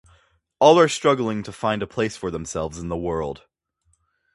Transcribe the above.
All are struggling to find a place for themselves in the world.